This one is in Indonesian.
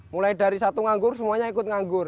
mulai dari satu nganggur semuanya ikut nganggur